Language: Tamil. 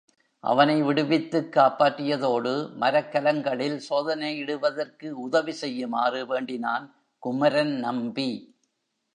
அவனை விடுவித்துக் காப்பாற்றியதோடு, மரக்கலங்களில் சோதனையிடுவதற்கு உதவி செய்யுமாறு வேண்டினான் குமரன் நம்பி.